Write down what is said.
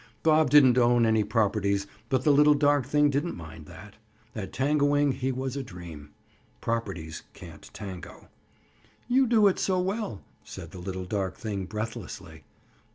Bob didn't own any properties but the little dark thing didn't mind that. At tangoing, he was a dream. Properties can't tango. "You do it so well," said the little dark thing breathlessly.